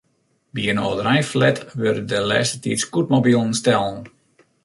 By in âldereinflat wurde de lêste tiid scootmobilen stellen.